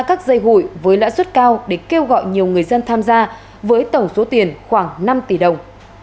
một hội với lãi suất cao để kêu gọi nhiều người dân tham gia với tổng số tiền khoảng năm tỷ đồng